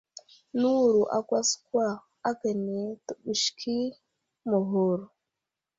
Nəwuro akwaskwa akane təɓəske məghur.